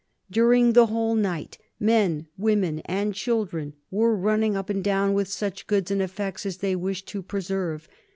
During the whole night, men, women, and children were running up and down with such goods and effects as they wished to preserve.